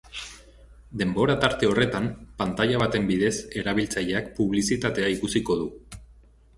Denbora tarte horretan, pantaila baten bidez, erabiltzaileak publizitatea ikusiko du.